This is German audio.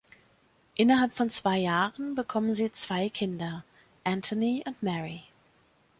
Innerhalb von zwei Jahren bekommen sie zwei Kinder, Anthony und Mary.